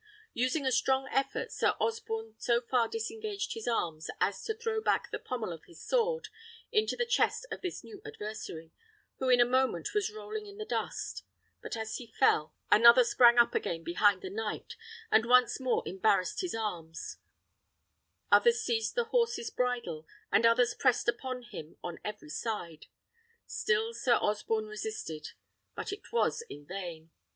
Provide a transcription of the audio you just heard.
Using a strong effort, Sir Osborne so far disengaged his arms as to throw back the pommel of his sword into the chest of this new adversary, who in a moment was rolling in the dust; but as he fell, another sprang up again behind the knight, and once more embarrassed his arms: others seized the horse's bridle, and others pressed upon him on every side. Still Sir Osborne resisted, but it was in vain.